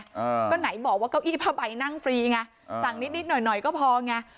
อ่าก็ไหนบอกว่าเก้าอี้ผ้าใบนั่งฟรีไงอ่าสั่งนิดนิดหน่อยหน่อยก็พอไง